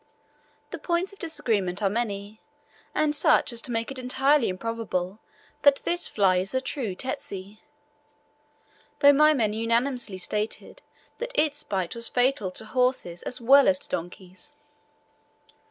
The points of disagreement are many, and such as to make it entirely improbable that this fly is the true tsetse, though my men unanimously stated that its bite was fatal to horses as well as to donkeys.